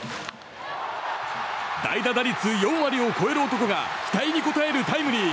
代打打率４割を超える男が期待に応えるタイムリー！